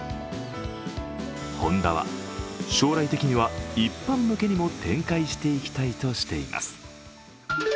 ホンダは将来的には一般向けにも展開していきたいとしています。